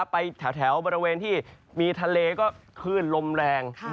ไปแถวบริเวณที่มีทะเลก็คลื่นลมแรง